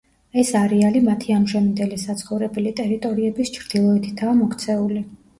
ეს არეალი მათი ამჟამინდელი საცხოვრებელი ტერიტორიების ჩრდილოეთითაა მოქცეული.